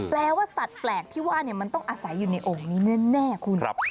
แปลว่าสัตว์แปลกที่ว่ามันต้องอาศัยอยู่ในโอ่งนี้แน่คุณ